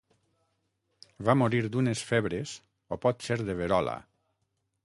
Va morir d'unes febres, o potser de verola.